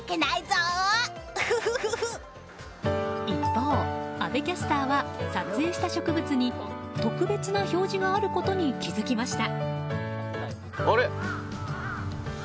一方、阿部キャスターは撮影した植物に特別な表示があることに気づきました。